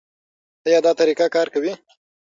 ایا دا طریقه کار کوي؟